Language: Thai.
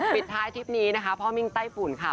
ปิดท้ายทริปนี้นะคะพ่อมิ้งไต้ฝุ่นค่ะ